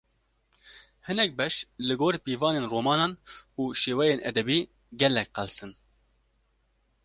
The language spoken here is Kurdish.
Hinek beş, li gor pîvanên romanan û şêweyên edebî gelek qels in